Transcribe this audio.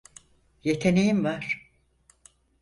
Yeteneğin var.